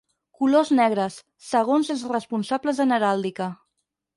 Colors negres, segons els responsables en heràldica.